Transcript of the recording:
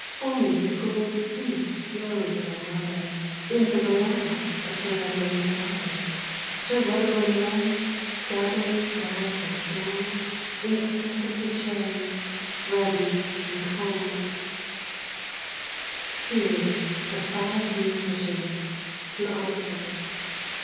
Only his gold fleece flows like water Into the lap of Sir Rotherham's daughter; Sir Rotherham Redde gathers bags of gold Instead of the cherries ruddy and cold. 98 EDITH SITWELL. T II THE FIVE MUSICIANS. To OSBEKT.